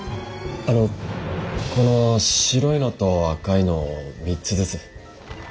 あのこの白いのと赤いのを３つずつ。